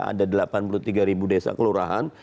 ada delapan puluh tiga ribu desa kelurahan